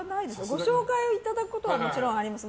ご紹介をいただくことはもちろんあります。